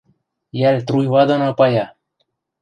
Йӓл труйва доно пая.